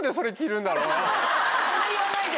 それ言わないで！